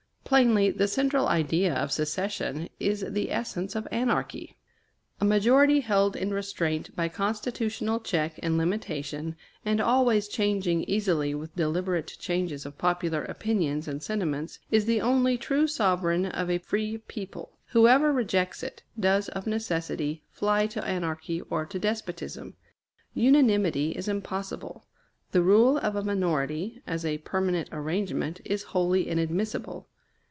Plainly, the central idea of secession is the essence of anarchy. A majority held in restraint by constitutional check and limitation, and always changing easily with deliberate changes of popular opinions and sentiments, is the only true sovereign of a free people. Whoever rejects it, does, of necessity, fly to anarchy or to despotism. Unanimity is impossible; the rule of a minority, as a permanent arrangement, is wholly inadmissible.